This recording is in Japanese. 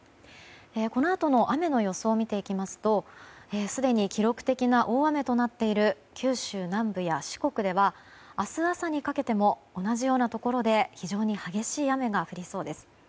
このあとの雨の予想を見ていきますとすでに記録的な大雨となっている九州南部や四国では明日朝にかけても同じようなところで非常に激しい雨が降りそうです。